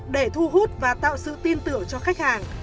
để thu hút và tạo sự tin tưởng cho khách hàng